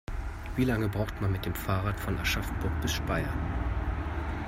Wie lange braucht man mit dem Fahrrad von Aschaffenburg bis Speyer?